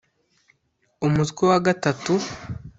umutwe wa gatatu